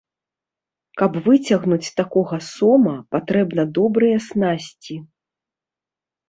Каб выцягнуць такога сома, патрэбна добрыя снасці.